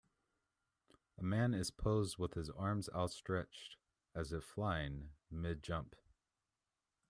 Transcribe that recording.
A man is posed with his arms outstretched, as if flying, mid jump.